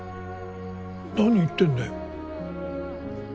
何言ってんだよ。